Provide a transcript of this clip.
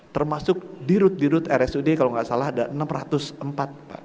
termasuk di rute rute rsud kalau gak salah ada enam ratus empat